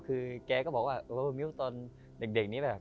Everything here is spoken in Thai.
คือแกก็บอกว่าโอ้มิ้วตอนเด็กนี้แบบ